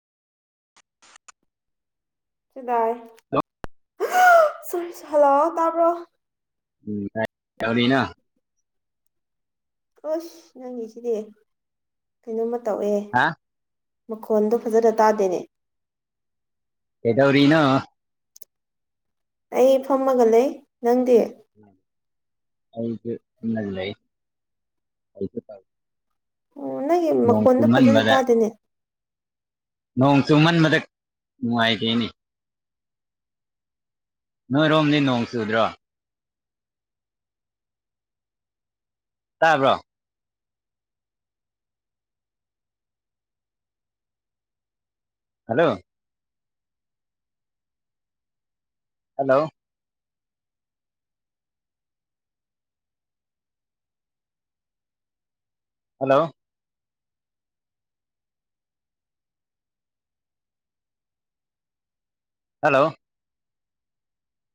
ꯁꯤꯗꯥꯏ hello hello ꯇꯥꯕ꯭ꯔꯣ ꯎꯝ ꯀꯩꯗꯧꯔꯤꯅꯣ ꯑꯁ ꯅꯪꯒꯤꯁꯤꯗꯤ ꯀꯩꯅꯣꯝꯃ ꯇꯧꯋꯦ ꯍꯥ ꯃꯈꯣꯟꯗꯣ ꯐꯥꯖꯅ ꯇꯥꯗꯦꯅꯦ ꯀꯩꯗꯧꯔꯤꯅꯣ ꯑꯩ ꯐꯝꯃꯒ ꯂꯩ ꯅꯪꯗꯤ ꯑꯩ ꯂꯩ ꯑꯣ ꯅꯪꯒꯤ ꯅꯣꯡ ꯃꯈꯣꯟꯗꯣ ꯐꯥꯖꯅ ꯆꯨꯃꯟꯕꯗ ꯇꯥꯗꯦꯅꯦ ꯅꯣꯡ ꯆꯨꯝꯃꯟꯕꯗ ꯅꯨꯡꯉꯥꯏꯇꯦꯅꯦ ꯅꯣꯏꯔꯣꯝꯗꯤ ꯅꯣꯡ ꯆꯨꯗ꯭ꯔꯣ ꯇꯥꯕ꯭ꯔꯣ ꯍꯜꯂꯣ ꯍꯜꯂꯣ ꯍꯜꯂꯣ ꯍꯜꯂꯣ